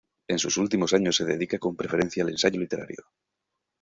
En sus últimos años se dedica con preferencia al ensayo literario.